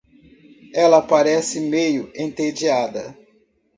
Ela parece meio entediada.